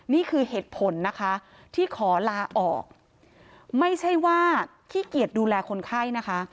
นี่คือเหตุผลนะคะที่ขอลาออกไม่ใช่ว่าขี้เกียจดูแลคนไข้นะคะ